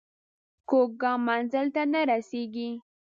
کوږ ګام منزل ته نه رسېږي